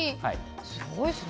すごいですね。